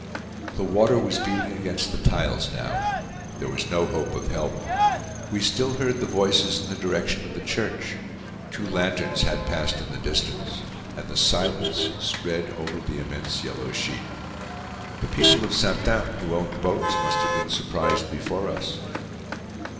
The water was beating against the tiles now. There was no hope of help. We still heard the voices in the direction of the church; two lanterns had passed in the distance; and the silence spread over the immense yellow sheet. The people of Saintin, who owned boats, must have been surprised before us.